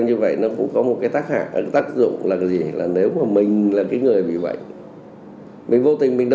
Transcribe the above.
như vậy nó cũng có một cái tác dụng là cái gì là nếu mà mình là cái người bị bệnh mình vô tình mình